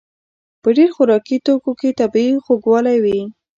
په ډېر خوراکي توکو کې طبیعي خوږوالی وي.